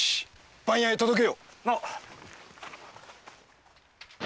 番屋へ届けよう！